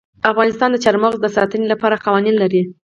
افغانستان د چار مغز د ساتنې لپاره قوانین لري.